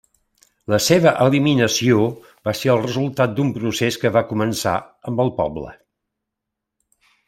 La seva eliminació va ser el resultat d'un procés que va començar amb el poble.